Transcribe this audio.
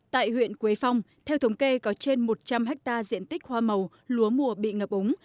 tại huyện quế phong theo thống kê có trên một trăm linh hectare diện tích hoa màu lúa mùa bị ngập úng